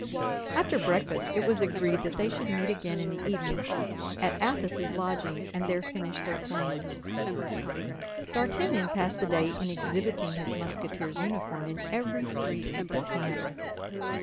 After breakfast, it was agreed that they should meet again in the evening at Athos's lodging, and there finish their plans. D'Artagnan passed the day in exhibiting his Musketeer's uniform in every street of the camp.